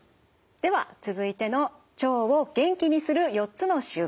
では続いての「腸を元気にする４つの習慣」